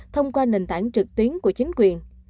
thông qua nền tảng trực tuyến của chính quyền